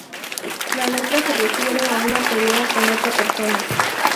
La letra se refiere a una pelea con otra persona.